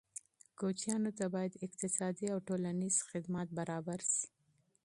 کوچیانو ته باید اقتصادي او ټولنیز خدمات برابر شي.